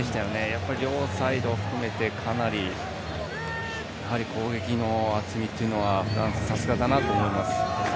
やっぱり両サイド含めてかなり、攻撃の厚みというのはフランス、さすがだなと思います。